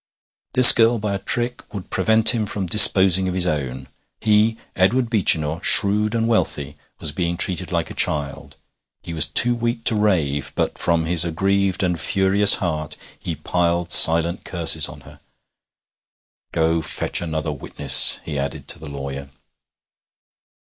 This girl by a trick would prevent him from disposing of his own. He, Edward Beechinor, shrewd and wealthy, was being treated like a child. He was too weak to rave, but from his aggrieved and furious heart he piled silent curses on her. 'Go, fetch another witness,' he added to the lawyer.